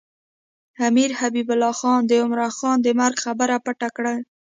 امیر حبیب الله خان د عمرا خان د مرګ خبره پټه کړې.